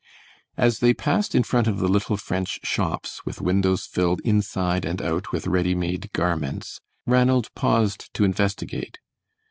As they passed in front of the little French shops, with windows filled inside and out with ready made garments, Ranald paused to investigate.